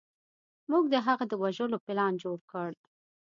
موږ د هغه د وژلو پلان جوړ کړ.